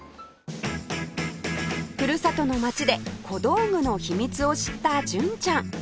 ふるさとの街で小道具の秘密を知った純ちゃん